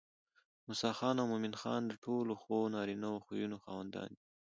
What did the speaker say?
موسى خان او مومن خان د ټولو ښو نارينه خويونو خاوندان دي